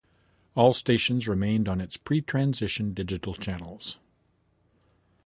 All stations remained on its pre-transition digital channels.